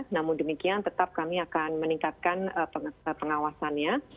namun demikian tetap kami akan meningkatkan pengawasannya